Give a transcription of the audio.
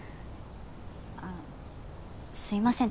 あっすみません